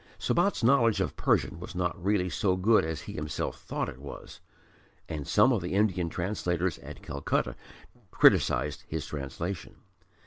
Sabat's knowledge of Persian was not really so good as he himself thought it was, and some of the Indian translators at Calcutta criticised his translation.